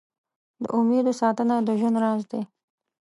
د امېدو ساتنه د ژوند راز دی.